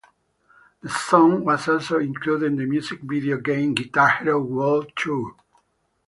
The song was also included in the music video game "Guitar Hero World Tour".